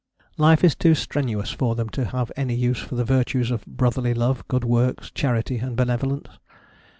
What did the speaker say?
Life is too strenuous for them to have any use for the virtues of brotherly love, good works, charity and benevolence.